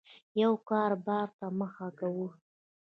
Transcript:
یو کاربار ته مخه کوو